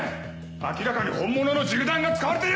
明らかに本物の銃弾が使われている！